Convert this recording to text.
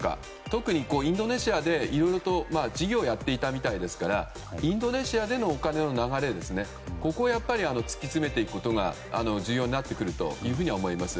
特にインドネシアで、いろいろと事業をやっていたみたいですからインドネシアでのお金の流れを突き詰めていくことが重要になってくると思います。